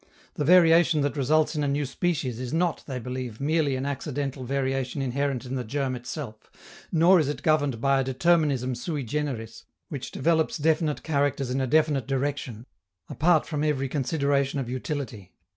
The variation that results in a new species is not, they believe, merely an accidental variation inherent in the germ itself, nor is it governed by a determinism sui generis which develops definite characters in a definite direction, apart from every consideration of utility.